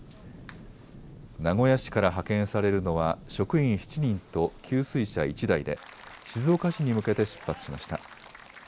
名古屋市から派遣されるのは職員７人と給水車１台で静岡市に向けて出発しました。